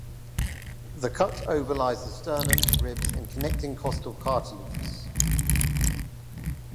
The cut overlies the sternum, ribs and connecting costal cartilages.